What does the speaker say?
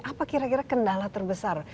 apa kira kira kendala terbesar